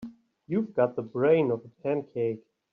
You've got the brain of a pancake.